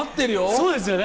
そうですよね！